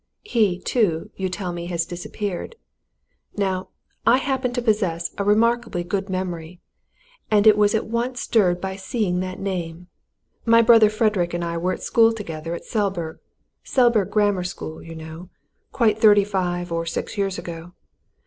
He, too, you tell me, has disappeared. Now, I happen to possess a remarkably good memory, and it was at once stirred by seeing that name. My brother Frederick and I were at school together at Selburgh Selburgh Grammar School, you know quite thirty five or six years ago.